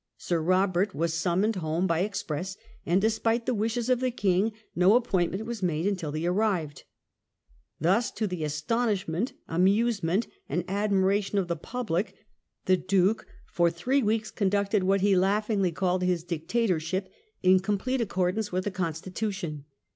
Sir Eobert was summoned home by express, and, despite the wishes of the King, no appoint ment was made until he arrived. Thus to the astonish ment, amusement, and admiration of the public, the Duke for three weeks conducted what he laughingly called his Dictatorship, in complete accordance with the constitution.